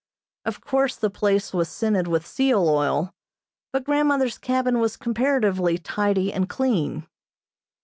Of course the place was scented with seal oil, but grandmother's cabin was comparatively tidy and clean.